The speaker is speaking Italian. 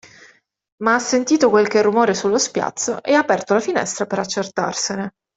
Ma ha sentito qualche rumore sullo spiazzo e ha aperto la finestra per accertarsene.